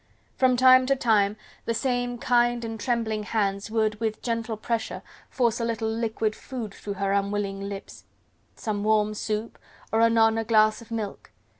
From time to time the same kind and trembling hands would with gentle pressure force a little liquid food through her unwilling lips: some warm soup, or anon a glass of milk.